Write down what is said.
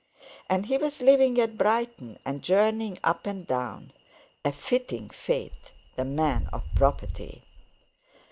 And he was living at Brighton, and journeying up and down—a fitting fate, the man of property!